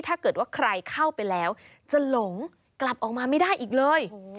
ถ้าเกิดว่าใครเข้าไปแล้วจะหลงกลับออกมาไม่ได้อีกเลย